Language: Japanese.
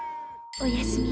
「おやすみ。